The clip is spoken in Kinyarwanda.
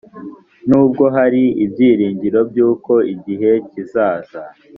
nubwo hari ibyiringiro by uko igihe kizaza